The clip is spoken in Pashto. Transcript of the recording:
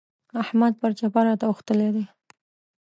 احمد پر چپه راته اوښتلی دی.